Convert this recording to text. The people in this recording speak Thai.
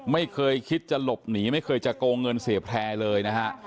ไม่เคยคิดจะหลบหนีไม่เคยจะโกงเงินเสียแพร่เลยนะฮะ